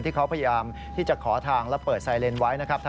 ที่เขาพยายามที่จะขอทางและเปิดไซเลนไว้นะครับ